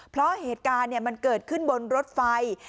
เพราะเหตุการณ์มันเกิดขึ้นบนรถไฟ